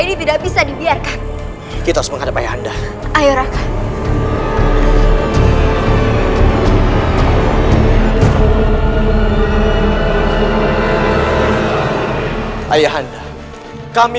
restui bunda selalu menyertai